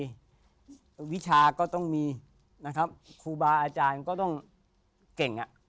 วิชาก็ต้องมีนะครับครูบาอาจารย์ก็ต้องเก่งอ่ะ